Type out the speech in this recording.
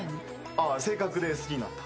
あっ性格で好きになった。